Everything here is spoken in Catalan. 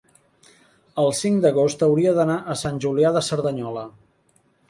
el cinc d'agost hauria d'anar a Sant Julià de Cerdanyola.